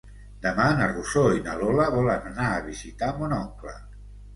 Demà na Rosó i na Lola volen anar a visitar mon oncle.